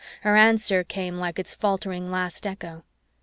Her answer came like its faltering last echo.